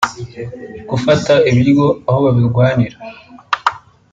gufata ibiryo aho babirwanira